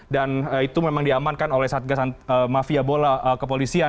dan itu memang diamankan oleh satgasan mafia bola kepolisian